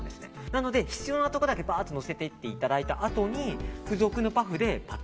なので必要なところだけのせていっていただいたあとに付属のパフで。